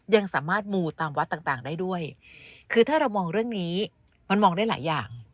ยังสามารถมูตามวัดต่างได้ด้วยคือถ้าเรามองเรื่องนี้มันมองได้หลายอย่าง